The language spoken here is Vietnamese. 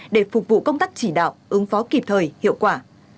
để phục vụ công tác chỉ đạo ứng phó kịp thời hiệu quả